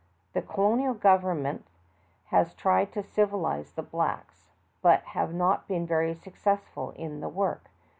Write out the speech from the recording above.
The colo nial governments have tried to civilize the blacks, but have not been very successful in the work.